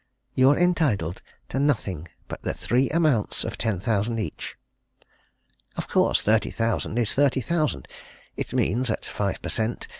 You're entitled to nothing but the three amounts of ten thousand each. Of course, thirty thousand is thirty thousand it means, at five per cent.